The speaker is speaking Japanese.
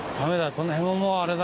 この辺ももうあれだね。